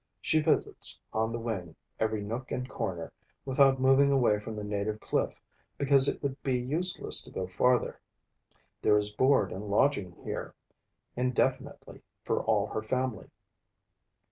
She visits, on the wing, every nook and corner, without moving away from the native cliff, because it would be useless to go farther. There is board and lodging here, indefinitely, for all her family.